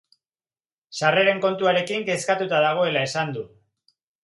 Sarreren kontuarekin kezkatuta dagoela esan du.